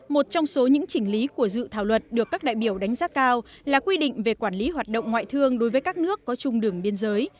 một trong số những chỉnh lý của dự thảo luật được các đại biểu đánh giá cao là quy định về quản lý hoạt động ngoại thương đối với các nước có chung đường biên giới